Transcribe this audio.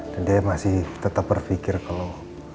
dan dia masih tetap berpikir kalau